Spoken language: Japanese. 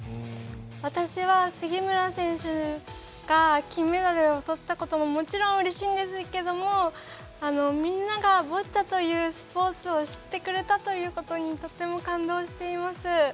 私は杉村選手が金メダルをとったことはもちろん、うれしいんですがみんながボッチャというスポーツを知ってくれたということにとても感動しています。